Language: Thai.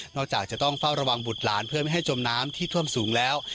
จากจะต้องเฝ้าระวังบุตรหลานเพื่อไม่ให้จมน้ำที่ท่วมสูงแล้ว